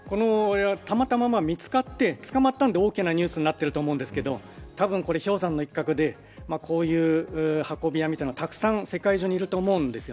たまたま見つかって捕まったんで大きなニュースになってると思うんですけれどもたぶん、これは氷山の一角でこういう運び屋みたいなのはたくさん世界中にいると思うんです。